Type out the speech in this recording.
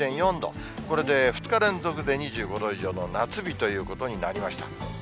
これで２日連続で２５度以上の夏日ということになりました。